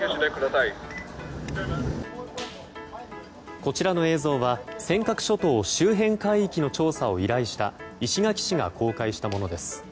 こちらの映像は尖閣諸島周辺海域の調査を依頼した石垣市が公開したものです。